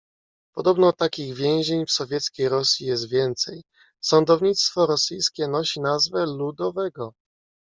"Podobno takich więzień w Sowieckiej Rosji jest więcej... Sądownictwo rosyjskie nosi nazwę ludowego."